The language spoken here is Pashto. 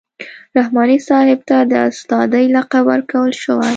رحماني صاحب ته د استادۍ لقب ورکول شوی.